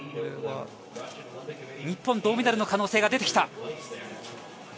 日本、銅メダルの可能性が出てきた。